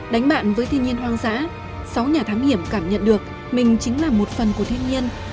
đánh bạn với thiên nhiên hoang dã sáu nhà thám hiểm cảm nhận được mình chính là một phần của thiên nhiên